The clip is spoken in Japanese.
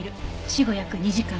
死後約２時間。